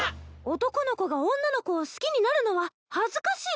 男の子が女の子を好きになるのは恥ずかしいことじゃないっちゃ。